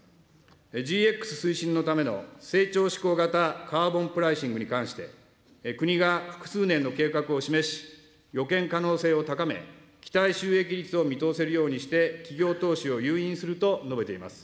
ＧＸ推進のための成長志向型カーボンプライシングに関して、国が複数年の計画を示し、予見可能性を高め、期待収益率を見通せるようにして、企業投資を誘引すると述べています。